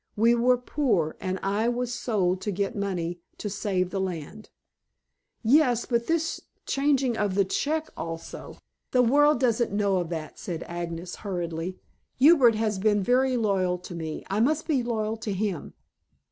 We were poor, and I was sold to get money to save the land." "Yes, but this changing of the check also " "The world doesn't know of that," said Agnes hurriedly. "Hubert has been very loyal to me. I must be loyal to him."